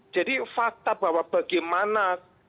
jadi fakta bahwa bagaimana